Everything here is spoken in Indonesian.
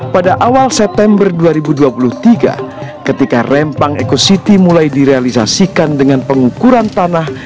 pada awal september dua ribu dua puluh tiga ketika rempang ecositi mulai direalisasikan dengan pengukuran tanah